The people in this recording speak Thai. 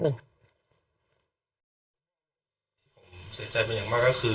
นึง